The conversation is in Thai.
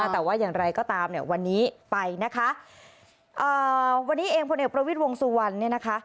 แต่ว่าอย่างไรก็ตามเนี่ยวันนี้ไปนะคะวันนี้เองพลเอกประวิทย์วงสุวรรณเนี่ยนะคะ